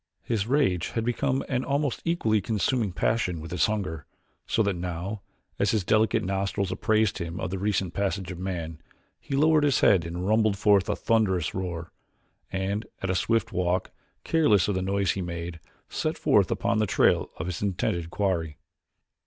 His rage had become an almost equally consuming passion with his hunger, so that now, as his delicate nostrils apprised him of the recent passage of man, he lowered his head and rumbled forth a thunderous roar, and at a swift walk, careless of the noise he made, set forth upon the trail of his intended quarry.